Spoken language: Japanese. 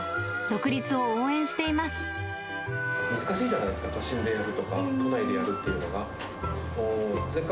難しいじゃないですか、都心でやるとか、都内でやるとか。